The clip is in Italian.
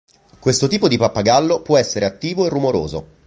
Questo tipo di pappagallo può essere attivo e rumoroso.